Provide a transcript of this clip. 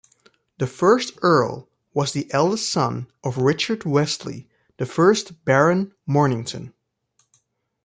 The first earl was the eldest son of Richard Wesley, the first Baron Mornington.